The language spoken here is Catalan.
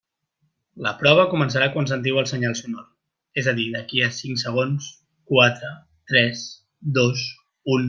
La prova començarà quan sentiu el senyal sonor, és a dir, d'aquí a cinc segons, quatre, tres, dos, un.